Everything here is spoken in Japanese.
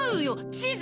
地図！